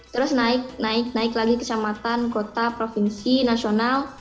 terus naik naik lagi ke samatan kota provinsi nasional